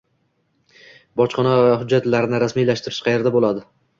Bojxona hujjatlarini rasmiylashtirish qayerda bo'ladi?